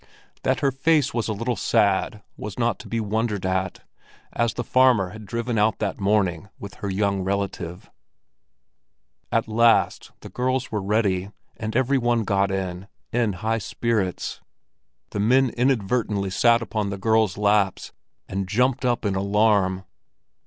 That her face was a little sad was not to be wondered at, as the farmer had driven out that morning with her young relative. At last the girls were ready, and every one got in—in high spirits. The men inadvertently sat upon the girls' laps and jumped up in alarm.